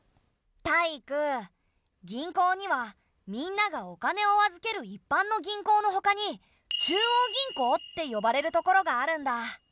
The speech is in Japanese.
タイイク銀行にはみんながお金を預ける一般の銀行のほかに中央銀行って呼ばれるところがあるんだ。